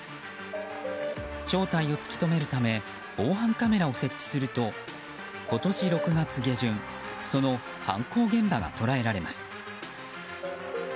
正体を突き止めるため防犯カメラを設置すると今年６月下旬その犯行現場が捉えられます。